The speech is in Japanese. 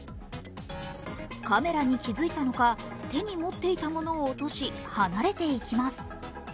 カメラに気付いたのか手に持っていたものを落とし離れていきます。